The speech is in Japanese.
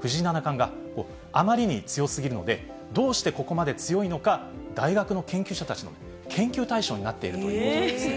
藤井七冠があまりに強すぎるので、どうしてここまで強いのか、大学の研究者たちの研究対象になっているということなんですね。